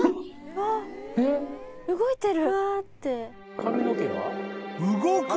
動いてる。